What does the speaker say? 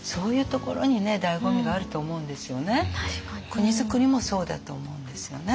国づくりもそうだと思うんですよね。